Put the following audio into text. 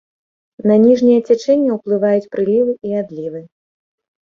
На ніжняе цячэнне ўплываюць прылівы і адлівы.